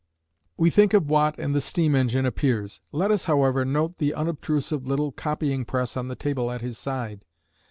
We think of Watt and the steam engine appears. Let us however note the unobtrusive little copying press on the table at his side.